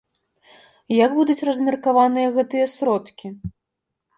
Як будуць размеркаваныя гэтыя сродкі?